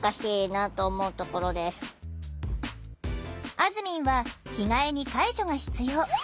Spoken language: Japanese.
あずみんは着替えに介助が必要。